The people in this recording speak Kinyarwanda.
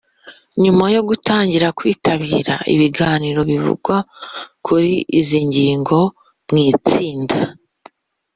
nyuma yo gutangira kwitabira ibiganiro bivuga kuri izi ngingo mu itsinda,